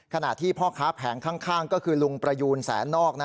ขณะที่พ่อค้าแผงข้างก็คือลุงประยูนแสนนอก